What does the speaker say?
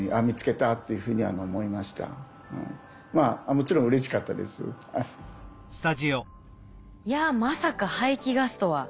もちろんいやまさか排気ガスとは。